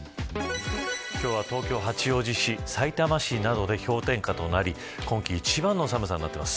今日は東京、八王子市さいたま市などで氷点下となり今季一番の寒さになっています。